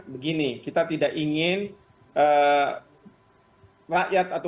begini kita tidak ingin rakyat atau